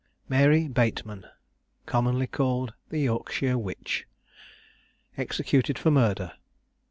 MARY BATEMAN, Commonly called the Yorkshire Witch. EXECUTED FOR MURDER.